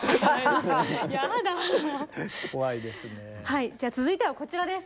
はいじゃあ続いてはこちらです！